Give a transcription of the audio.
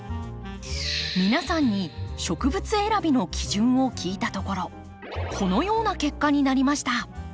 皆さんに植物選びの基準を聞いたところこのような結果になりました。